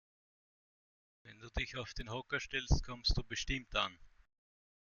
Wenn du dich auf den Hocker stellst, kommst du bestimmt an.